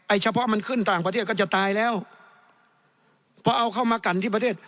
เฉพาะมันขึ้นต่างประเทศก็จะตายแล้วพอเอาเข้ามากันที่ประเทศ